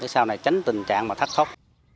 sau này tránh tình trạng thất thốc